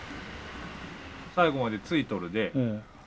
最期までついとるで。